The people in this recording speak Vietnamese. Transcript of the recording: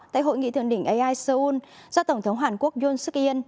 tại hội nghị thượng đỉnh ai seoul do tổng thống hàn quốc yon suk yên